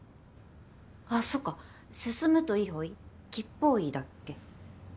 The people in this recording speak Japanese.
あそっか進むといい方位吉方位だっけ。